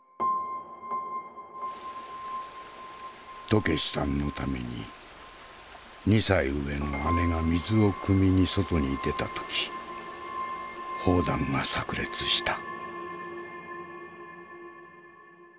渡慶次さんのために２歳上の姉が水をくみに外に出た時砲弾がさく裂した。